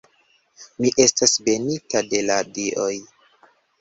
Mi estas benita de la dioj.